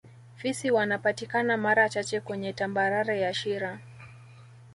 Fisi wanapatikana mara chache kweye tambarare ya shira